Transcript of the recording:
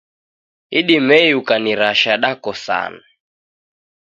Idimei ukanirasha dakosana